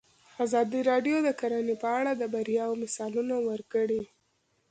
ازادي راډیو د کرهنه په اړه د بریاوو مثالونه ورکړي.